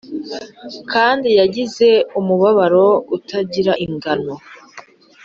kandi yagize umubabaro utagira ingano,